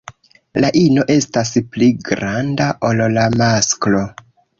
La ino estas pli granda ol la masklo.